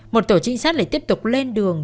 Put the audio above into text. một tổ trinh sát lại tiếp tục lên đường